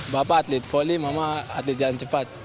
bapak atlet volley mama atlet jalan cepat